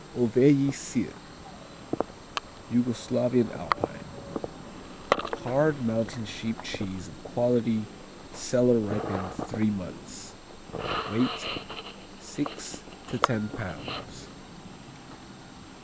Oveji Sir Yugoslavian Alpine Hard, mountain sheep cheese of quality Cellar ripened three months. Weight six to ten pounds.